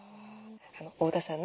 太田さんね